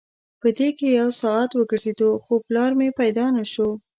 په دې کې یو ساعت وګرځېدو خو پلار مې پیدا نه شو.